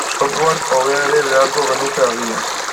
Software hobea ere beharko genuke agian.